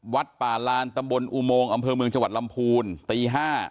วัดป่าลานตำบลอุโมงอำเภอเมืองจังหวัดลำพูนตี๕